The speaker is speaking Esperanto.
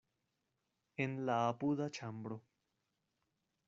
En la apuda ĉambro.